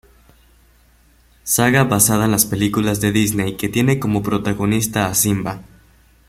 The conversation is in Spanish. Saga basada en las películas de Disney que tiene como protagonista a Simba.